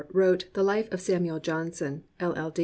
wrote The Life of Samuel Johnson, LL.